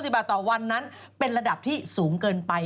๑บาทต่อวันนั้นเป็นระดับที่สูงเกินไป